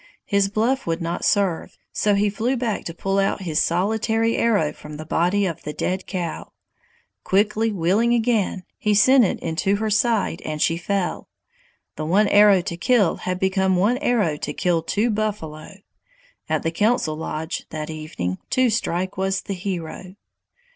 His bluff would not serve, so he flew back to pull out his solitary arrow from the body of the dead cow. Quickly wheeling again, he sent it into her side and she fell. The one arrow to kill had become one arrow to kill two buffalo! At the council lodge that evening Two Strike was the hero.